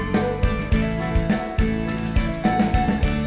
อยากจะได้แอบอิ่ง